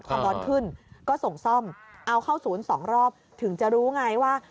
ความร้อนขึ้นก็ส่งซ่อมเอาเข้าศูนย์๒รอบถึงจะรู้ไงว่า